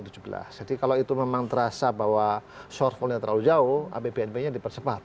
jadi kalau itu memang terasa bahwa shortfall nya terlalu jauh abbnp nya dipercepat